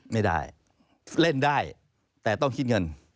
ไม่ได้เล่นได้แต่ต้องคิดเงิน